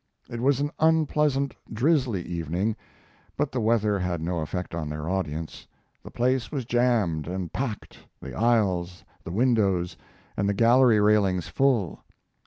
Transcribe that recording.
It was an unpleasant, drizzly evening, but the weather had no effect on their audience. The place was jammed and packed, the aisles, the windows, and the gallery railings full.